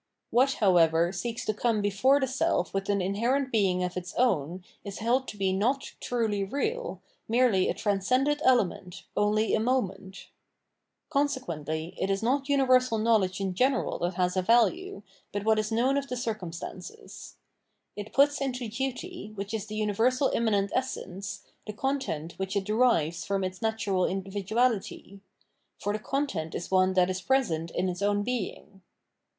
What, however, seeks to come before the self with an inherent being of its o wn is held to be not truly real, merely a transcended element, only a moment. Consequently, it is not universal knowledge in general von II.— R 658 Phenomenology of Mind that has a value, but what is known of the circum stances. It puts into duty, which is the universal im manent essence, the content which it derives from its natural individuality ; for the content is one that is present in its own being.